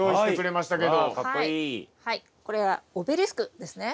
これはオベリスクですね。